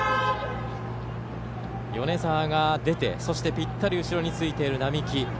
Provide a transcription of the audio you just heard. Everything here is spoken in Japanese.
米澤が出て、ぴったり後ろについている並木。